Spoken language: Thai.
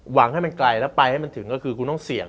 หวังให้มันไกลแล้วไปให้มันถึงก็คือคุณต้องเสี่ยง